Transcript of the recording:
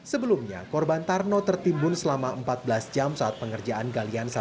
sebelumnya korban tarno tertimbun selama empat belas jam saat pengerjaan galian